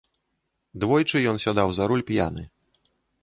Двойчы ён сядаў за руль п'яны.